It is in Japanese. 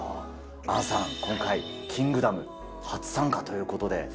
杏さん、今回、キングダム初参加ということで。